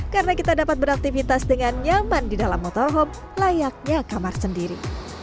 karena kita dapat beraktifitas dengan nyaman didalam motorhome layaknya kamar sendiri